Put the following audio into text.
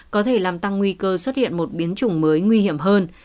có thể làm tăng nguy cơ xuất hiện một biến chủng mới nguy hiểm hơn